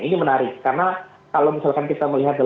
ini menarik karena kalau misalkan kita melihat